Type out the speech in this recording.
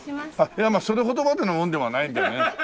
いやそれほどまでのものでもないんでね。